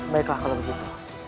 baiklah kalau begitu